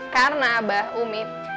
karena abah umi